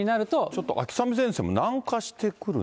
ちょっと秋雨前線も南下してくるの？